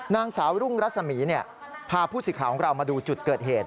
นางสาวรุ่งรัศมีร์พาผู้สิทธิ์ของเรามาดูจุดเกิดเหตุ